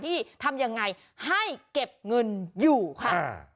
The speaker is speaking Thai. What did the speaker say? ที่ทำยังไงให้เก็บเงินอยู่ค่ะ